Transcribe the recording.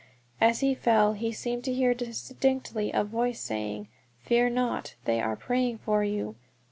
As he fell he seemed to hear distinctly a voice saying, "Fear not, they are praying for you."